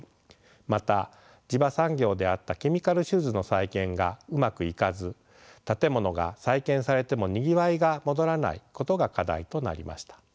また地場産業であったケミカルシューズの再建がうまくいかず建物が再建されてもにぎわいが戻らないことが課題となりました。